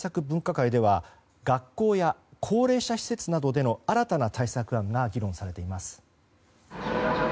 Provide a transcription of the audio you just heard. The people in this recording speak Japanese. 分科会では学校や高齢者施設などでの新たな対策案が議論されています。